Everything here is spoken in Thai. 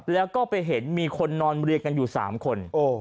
แล้วก็ไปเห็นมีคนนอนเรียงกันอยู่๓คน